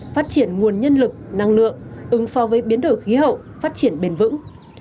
phát triển nguồn nhân lực năng lượng ứng phó với biến đổi khí hậu phát triển bền vững